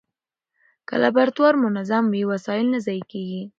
که لابراتوار منظم وي، وسایل نه ضایع کېږي.